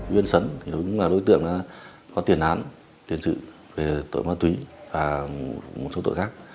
huyện sấn cũng là đối tượng có tiền án tiền sự về tội ma túy và một số tội khác